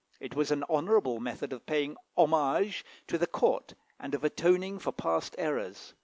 It was an honourable method of paying homage to the Court, and of atoning for past errors.